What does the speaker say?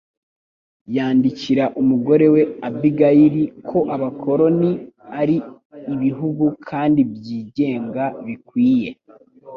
yandikira umugore we Abigayili ko abakoloni ari ibihugu kandi byigenga bikwiye